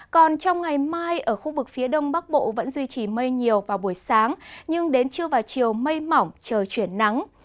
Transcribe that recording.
còn trong ngày mai ở khu vực phía đông bắc bộ vẫn duy trì mây nhiều vào buổi sáng nhưng đến trưa và chiều mây mỏng trời chuyển nắng